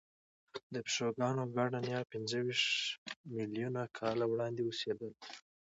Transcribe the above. د پیشوګانو ګډه نیا پنځهویشت میلیونه کاله وړاندې اوسېده.